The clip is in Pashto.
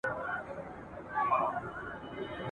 څوک به سوال کړي د کوترو له بازانو ..